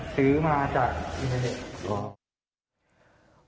ซื้อมาจากอินเทอร์เน็ต